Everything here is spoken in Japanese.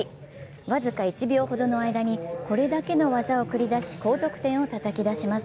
僅か１秒ほどの間に、これだけの技を繰り出し高得点をたたき出します。